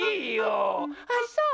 あっそう？